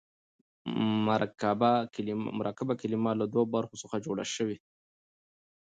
مرکبه کلمه له دوو برخو څخه جوړه سوې يي.